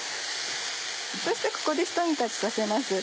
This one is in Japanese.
そしてここでひと煮立ちさせます。